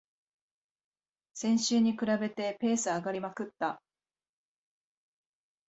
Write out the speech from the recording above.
先週に比べてペース上がりまくった